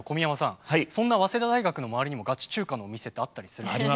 そんな早稲田大学の周りにもガチ中華のお店ってあったりするんですか？